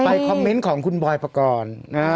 ไปคอมเมนซ์ของคุณบอยปกรณ์อ๋อ